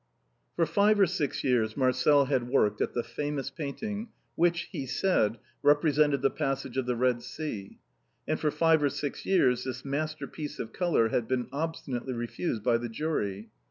For five or six years Marcel had worked at the famous painting which (he said) represented the Passage of the Red Sea; and for iive or six years, this master piece of color had been obstinately refused by the jury.